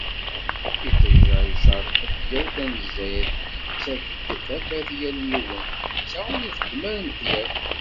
Iṭij-a icerreq-d yal tanezzayt, yettak-d tafat i yal yiwen, netta ur ixeddem ara miḥyaf.